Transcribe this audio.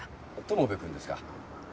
友部くんですか？